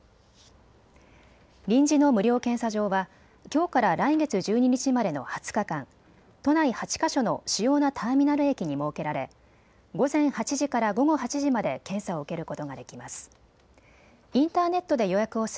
臨時の無料検査場はきょうから来月１２日までの２０日間、都内８か所の主要なターミナル駅に設けられ午前８時から午後８時まで検査を受けることができます。